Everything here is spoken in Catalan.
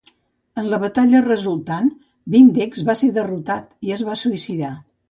En la batalla resultant, Vindex va ser derrotat i es va suïcidar.